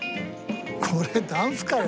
これダンスかよ。